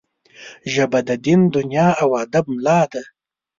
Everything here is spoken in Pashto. ژبه د دین، دنیا او ادب ملا ده